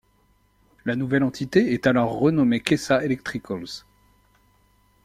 La nouvelle entité est alors renommée Kesa Electricals.